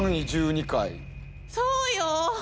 そうよ。